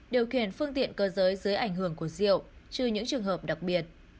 điều khiển phương tiện cơ giới dưới ảnh hưởng của rượu trừ những trường hợp đặc biệt